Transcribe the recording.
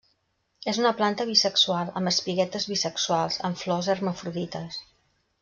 És una planta bisexual, amb espiguetes bisexuals; amb flors hermafrodites.